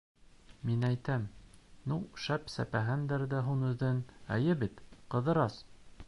— Мин әйтәм, ну шәп сәпәгәндәр ҙә һуң үҙен, эйе бит, Ҡыҙырас?